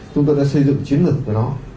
chúng tôi đã xây dựng chiến lược của nó